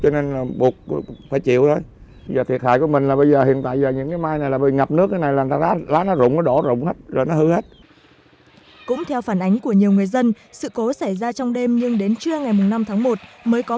cũng theo phản ánh của nhiều người dân sự cố xảy ra trong đêm nhưng đến trưa ngày năm tháng một mới có